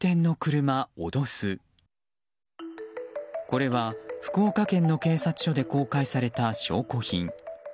これは福岡県の警察署で公開された証拠品。